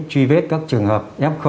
truy vết các trường hợp